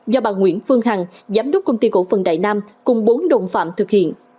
do bà nguyễn phương hằng giám đốc công ty cổ phần đại nam cùng bốn đồng phạm thực hiện